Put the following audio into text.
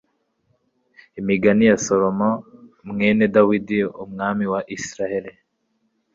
imigani ya salomoni, mwene dawudi, umwami wa israheli